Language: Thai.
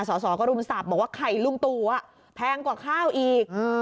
สสก็รุมสับบอกว่าไข่ลุงตู่แพงกว่าข้าวอีก